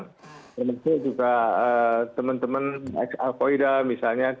teman teman juga teman teman ex alcohida misalnya